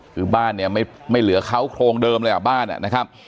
คือบ้านเนี่ยไม่เหลือเขาโครงเดิมเลยอ่ะบ้านนะครับ